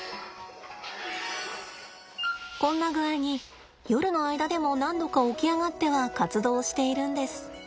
こんな具合に夜の間でも何度か起き上がっては活動しているんです。